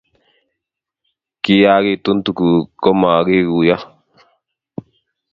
kiyaakitun tuguk ko makikuiyo